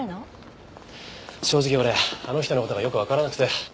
正直俺あの人の事がよくわからなくて。